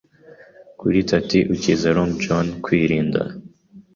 kuri tat - ukiza Long John kwirinda. ”